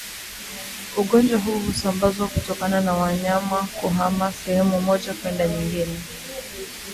Ugonjwa huu husambazwa kutokana na wanyama kuhama sehemu moja kwenda nyingine